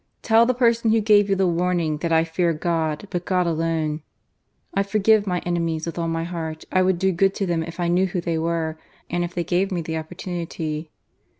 Tell the person who gave you the warning that I fear God, but God alone. I forgive my enemies with all my heart ; I would do good to them if I knew who they were, and if they gave me the opportunity."